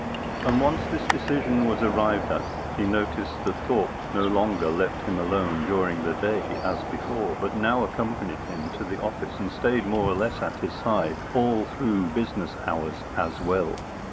And once this decision was arrived at, he noticed that Thorpe no longer left him alone during the day as before, but now accompanied him to the office and stayed more or less at his side all through business hours as well.